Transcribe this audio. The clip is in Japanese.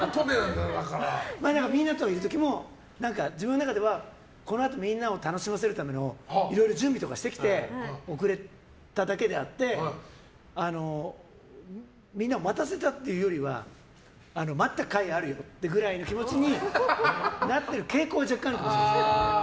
みんなといる時も自分の中ではこのあとみんなを楽しませるための準備をしてきて遅れただけであってみんなを待たせたっていうよりは待ったかいがあるよってぐらいの気持ちになってる傾向は若干あるかもしれない。